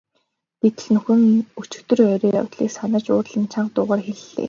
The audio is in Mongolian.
Гэтэл нөхөр нь өчигдөр оройн явдлыг санаж уурлан чанга дуугаар хэллээ.